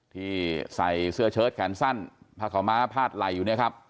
ที่ใส่เสื้อเชิดแขนสั้นผ้าขาวม้าพาดไหล่อยู่เนี่ยครับ